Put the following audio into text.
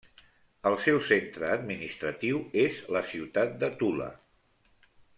El seu centre administratiu és la ciutat de Tula.